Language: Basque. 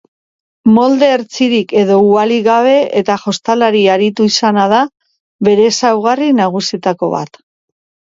Molde hertsirik edo uhalik gabe eta jostalari aritu izana da bere ezaugarri nagusietako bat.